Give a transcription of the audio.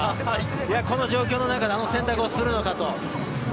この状況の中であの選択をするのか。